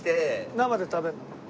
生で食べるの？